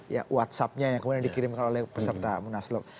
ya whatsappnya yang kemudian dikirimkan oleh peserta munaslup